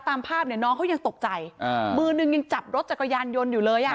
ตามภาพเนี่ยน้องเขายังตกใจอ่ามือนึงยังจับรถจักรยานยนต์อยู่เลยอ่ะ